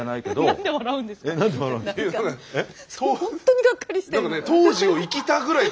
本当にがっかりしてるの。